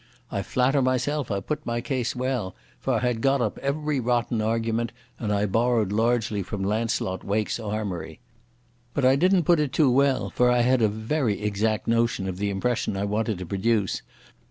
I flatter myself I put my case well, for I had got up every rotten argument and I borrowed largely from Launcelot Wake's armoury. But I didn't put it too well, for I had a very exact notion of the impression I wanted to produce.